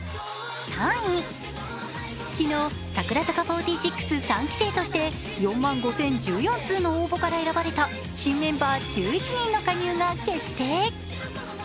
昨日、櫻坂４６三期生として４万５０１４通の応募から選ばれた新メンバー１１人の加入が決定。